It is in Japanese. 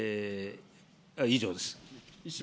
以上です。